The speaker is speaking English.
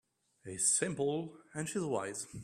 He's simple and she's wise.